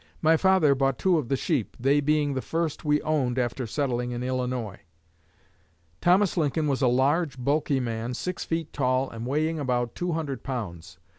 My father bought two of the sheep, they being the first we owned after settling in Illinois. Thomas Lincoln was a large, bulky man, six feet tall and weighing about two hundred pounds.